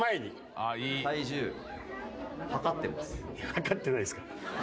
量ってないですから。